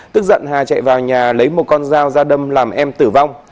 tức giận hà chạy vào nhà lấy một con dao ra đâm làm em tử vong